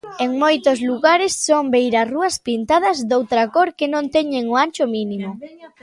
En moitos lugares son beirarrúas pintadas doutra cor que non teñen o ancho mínimo.